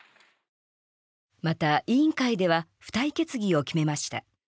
また、委員会では付帯決議を決めました。